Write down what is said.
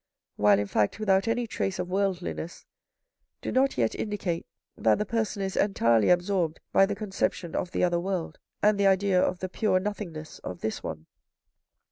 while in fact without any trace of worldliness, do not yet indicate that the person is entirely absorbed by the conception of the other world, and the idea of the pure nothingness of this one.